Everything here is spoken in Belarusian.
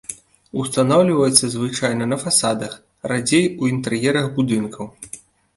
Устанаўліваецца звычайна на фасадах, радзей у інтэр'ерах будынкаў.